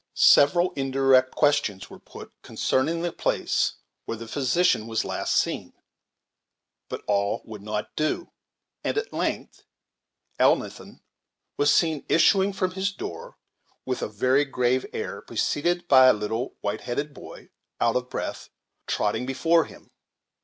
Several indirect questions were put concerning the place where the physician was last seen; but all would not do; and at length Elnathan was seen issuing from his door with a very grave air, preceded by a little white headed boy, out of breath, trotting before him.